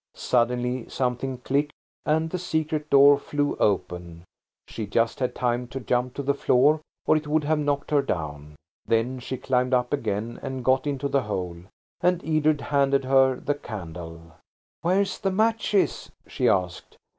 Suddenly something clicked and the secret door flew open–she just had time to jump to the floor, or it would have knocked her down. Then she climbed up again and got into the hole, and Edred handed her the candle. "Where's the matches?" she asked.